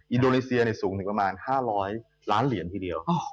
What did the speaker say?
อินโดนีเซียสูงถึงประมาณ๕๐๐ล้านเหรียญทีเดียว